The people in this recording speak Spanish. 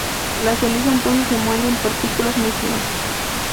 La ceniza entonces se muele en partículas muy finas.